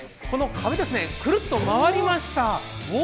この壁でくるっと回りました。